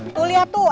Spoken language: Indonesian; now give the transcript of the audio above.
tuh lihat tuh